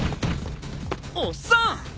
おっさん。